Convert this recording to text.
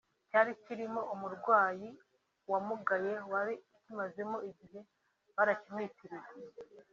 cyari kirimo umurwayi wamugaye wari ukimazemo igihe baracyimwitiriye